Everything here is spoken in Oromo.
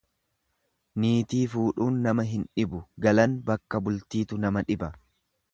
Niitii fudhuun nama hin dhibu, galan bakka bultiitu nama dhiba.